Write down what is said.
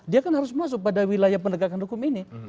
dia kan harus masuk pada wilayah penegakan hukum ini